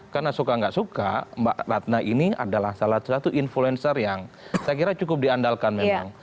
karena suka nggak suka mbak ratna ini adalah salah satu influencer yang saya kira cukup diandalkan memang